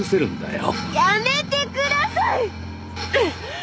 やめてください！